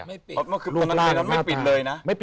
อ๋อคือพนันนั้นไม่ปิดเลยนะ